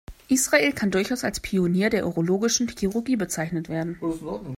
Israel kann durchaus als ein Pionier der urologischen Chirurgie bezeichnet werden.